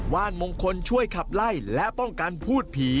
ว่านมงคลช่วยขับไล่และป้องกันพูดผี